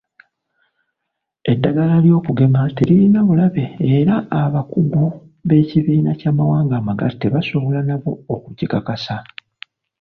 Eddagala ly'okugema teririna bulabe era abakugu b'ekibiina ky'amawanga amagatte basobola nabo okukikakasa.